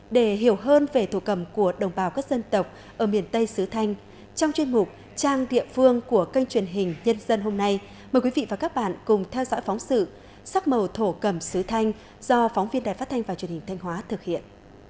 để hiểu hơn về thổ cầm của đồng bào các dân tộc ở miền tây sứ thanh trong chuyên mục trang địa phương của kênh truyền hình nhân dân hôm nay mời quý vị và các bạn cùng theo dõi phóng sự sắc màu thổ cầm sứ thanh do phóng viên đài phát thanh và truyền hình thanh hóa thực hiện